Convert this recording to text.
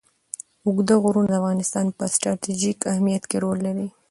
اوږده غرونه د افغانستان په ستراتیژیک اهمیت کې رول لري.